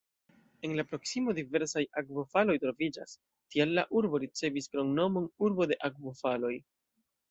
En la proksimo diversaj akvofaloj troviĝas, tial la urbo ricevis kromnomon "urbo de akvofaloj".